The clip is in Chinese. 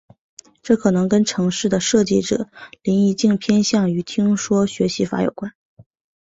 这可能跟程式的设计者林宜敬偏向于听说学习法有关。